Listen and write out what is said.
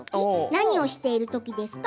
何をしている時ですか？